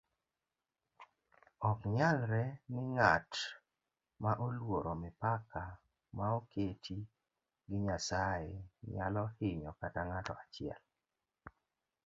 oknyalre ni ng'at maoluoro mipaka maoketi gi nyasaye nyalohinyo kata ng'ato achiel